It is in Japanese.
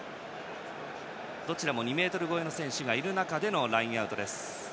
どちらも２ｍ超えの選手がいる中でのラインアウトです。